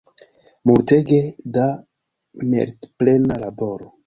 Multege da meritplena laboro!